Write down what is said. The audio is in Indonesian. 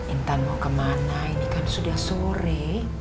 intan mau kemana ini kan sudah sore